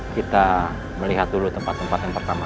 kita melihat dulu tempat tempat yang pertama